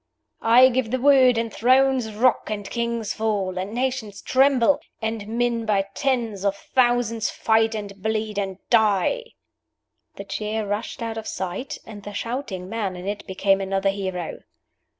"I give the word, and thrones rock, and kings fall, and nations tremble, and men by tens of thousands fight and bleed and die!" The chair rushed out of sight, and the shouting man in it became another hero.